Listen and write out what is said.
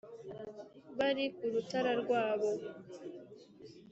bari ku rutara rwabo,